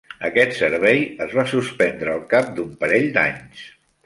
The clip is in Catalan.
Aquest servei es va suspendre al cap d'un parell d'anys.